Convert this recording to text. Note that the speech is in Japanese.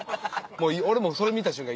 もう俺もそれ見た瞬間